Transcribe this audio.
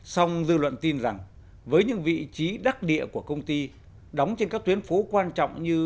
xong dư luận tin rằng với những vị trí đắc địa của công ty đóng trên các tuyến phố quan trọng như